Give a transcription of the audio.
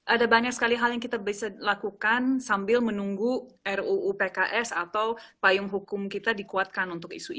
ada banyak sekali hal yang kita bisa lakukan sambil menunggu ruu pks atau payung hukum kita dikuatkan untuk isu ini